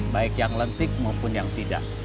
baik yang lentik maupun yang tidak